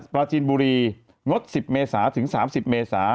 ปราจีนบุรีงด๑๐เมษาถึง๓๐เมษา